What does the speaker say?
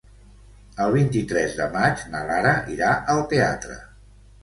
El vint-i-tres de maig na Lara irà al teatre.